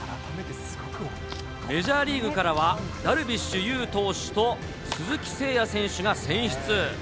メジャーリーグからは、ダルビッシュ有投手と鈴木誠也選手が選出。